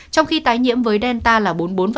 trong khi tái nhiễm với delta là bốn mươi bốn